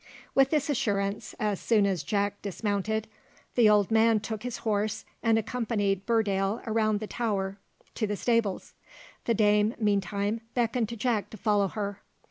With this assurance, as soon as Jack dismounted, the old man took his horse, and accompanied Burdale round the tower to the stables. The dame, meantime, beckoned to Jack to follow her.